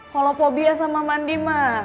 kalau fobia sama mandi mah